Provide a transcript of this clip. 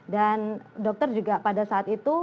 dan dokter juga pada saat itu